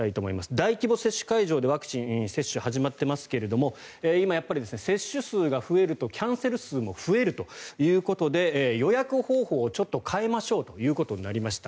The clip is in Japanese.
大規模接種会場でワクチン接種が始まっていますが今、接種数が増えるとキャンセル数も増えるということで予約方法を変えましょうとなりました。